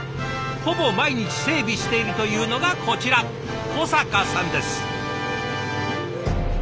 ほぼ毎日整備しているというのがこちら小坂さんです。